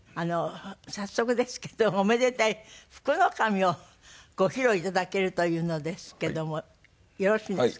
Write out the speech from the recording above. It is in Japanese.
早速ですけどおめでたい『福の神』をご披露頂けるというのですけどもよろしいんですか？